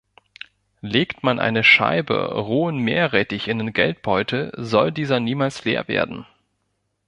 Legt man eine Scheibe rohen Meerrettich in den Geldbeutel, soll dieser niemals leer werden.